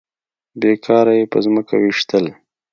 بې کاره يې په ځمکه ويشتل.